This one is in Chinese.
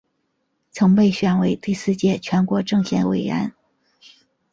曾被选为第四届全国政协委员。